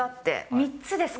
３つですか？